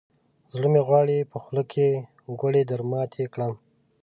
زړه مې غواړي، په خوله کې ګوړې درماتې کړم.